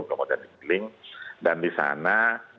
kemudian diiling dan disana